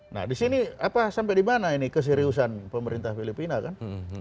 nah disini sampai di mana ini keseriusan pemerintah filipina kan